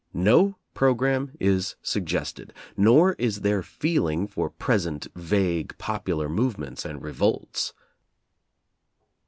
No programme is suggested, nor is there feeling for present vague popular movements and revolts.